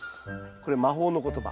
これ魔法の言葉。